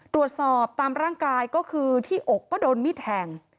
ตรวจสอบตามร่างกายก็คือที่อกก็โดนมีดแทง